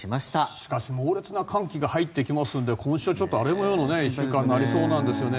しかし猛烈な寒気が入ってきますので今週はちょっと荒れ模様の１週間になりそうなんですよね。